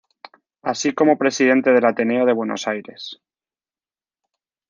Así como presidente del Ateneo de Buenos Aires.